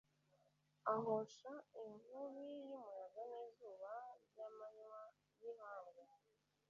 ahosha inkubi y'umuyaga n'izuba ry'amanywa y'ihangu